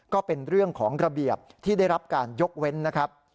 ก็เป็นเรื่องของระเบียบที่ได้รับการยกเว้นนะครับ